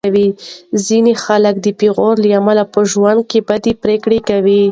ځینې خلک د پېغور له امله په ژوند کې بدې پرېکړې کوي.